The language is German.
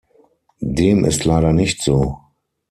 Dem ist leider nicht so.